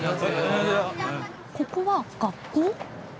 ここは学校？